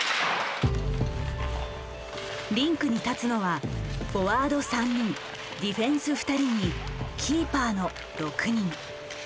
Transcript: リンクに立つのはフォワード３人ディフェンス２人にキーパーの６人。